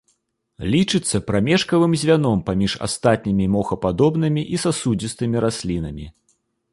Лічыцца прамежкавым звяном паміж астатнімі мохападобнымі і сасудзістымі раслінамі.